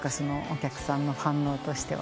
お客さんの反応としては。